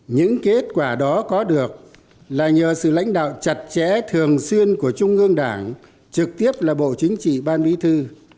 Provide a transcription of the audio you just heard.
những kết quả đó có được là nhờ sự lãnh đạo chặt chẽ thường xuyên của trung ương đảng trực tiếp là bộ chính trị ban bí thư